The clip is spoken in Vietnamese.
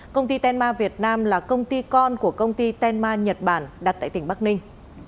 công ty tenma việt nam là công ty con của công ty tenma nhật bản đặt tại tỉnh bắc ninh